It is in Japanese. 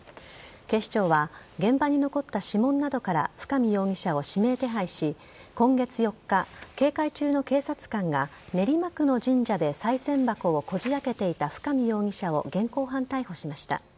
警視庁は現場に残った指紋などから深見容疑者を指名手配し今月４日、警戒中の警察官が練馬区の神社でさい銭箱をこじ開けていた深見容疑者を現行犯逮捕しました。